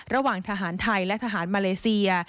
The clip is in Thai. ระหว่างทหารไทยและทหารมาเลเซีย